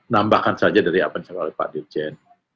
nambahkan saja dari apa yang disampaikan oleh pak dirjen